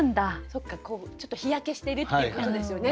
そっかちょっと日焼けしてるっていうことですよね。